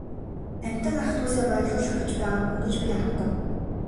Амьтан ах дүүсээ баярлуулах гэж байгаа хүн би гэж аргадав.